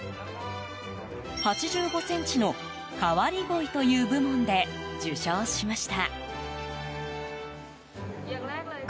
８５ｃｍの変わり鯉という部門で受賞しました。